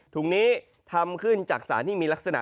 ถุงนี้ทำขึ้นจากสารที่มีลักษณะ